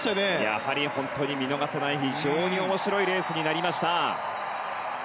やはり見逃せない、非常に面白いレースになりました。